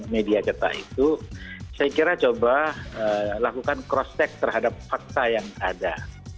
media cetak itu saya kira coba lakukan cross check terhadap fakta yang ada